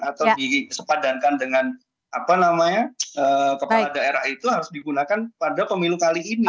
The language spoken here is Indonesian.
atau disepadankan dengan kepala daerah itu harus digunakan pada pemilu kali ini